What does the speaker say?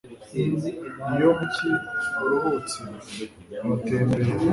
iyo mu cyi uruhutse uratembera